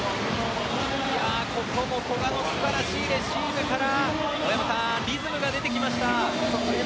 古賀の素晴らしいレシーブから大山さん、リズムが出てきました。